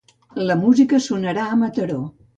La música sonarà a Mataró